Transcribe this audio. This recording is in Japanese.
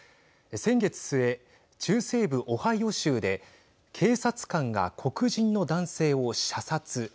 先月末、中西部オハイオ州で警察官が黒人の男性を射殺。